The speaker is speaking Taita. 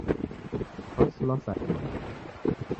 Kwasilwa sa ini